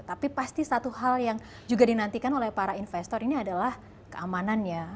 tapi pasti satu hal yang juga dinantikan oleh para investor ini adalah keamanannya